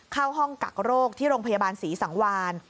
เข้าห้องกักโรคที่โรงพยาบาลศรีสังวาน